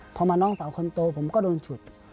พอมาน้องสาวคนโตผมก็โดนฉุด